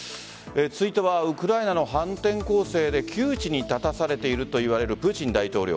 続いてはウクライナの反転攻勢で窮地に立たされているといわれるプーチン大統領。